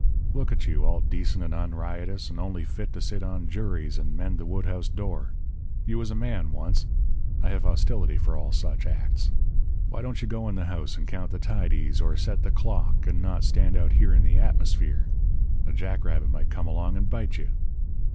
Look at you, all decent and unriotous, and only fit to sit on juries and mend the wood house door. You was a man once. I have hostility for all such acts. Why don't you go in the house and count the tidies or set the clock, and not stand out here in the atmosphere? A jack rabbit might come along and bite you.'